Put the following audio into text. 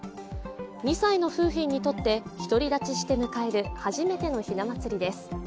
２歳の楓浜にとって独り立ちして迎える初めてのひな祭りです。